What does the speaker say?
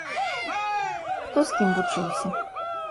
Хто з кім вучыўся?